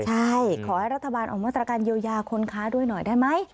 ใช่ขอให้รัฐบาลออกมาตรการเยียวยาคนค้าด้วยหน่อยได้ไหม